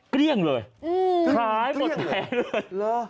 เกลี้ยงเลยขายหมดแผงเลย